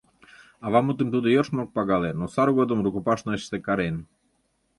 Аватмутым тудо йӧршын ок пагале, но сар годым рукопашныйыште карен.